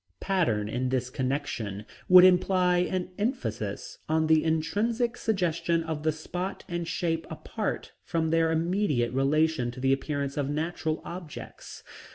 Pattern in this connection would imply an emphasis on the intrinsic suggestion of the spot and shape apart from their immediate relation to the appearance of natural objects.